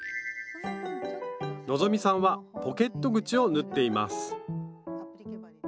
希さんはポケット口を縫っています